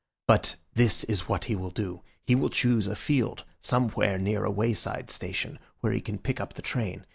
But this is what he will do. He will choose a field somewhere near a wayside station, where he can pick up the train.